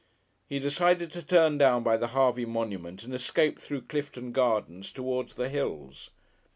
He decided to turn down by the Harvey monument and escape through Clifton Gardens towards the hills.